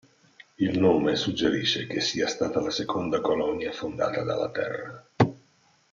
Il nome suggerisce che sia stata la seconda colonia fondata dalla Terra.